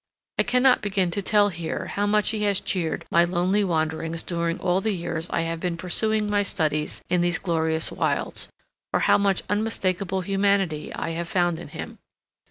I cannot begin to tell here how much he has cheered my lonely wanderings during all the years I have been pursuing my studies in these glorious wilds; or how much unmistakable humanity I have found in him.